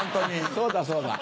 そうだそうだ。